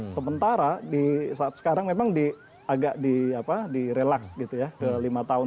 sementara saat sekarang memang agak di relax gitu ya ke lima tahun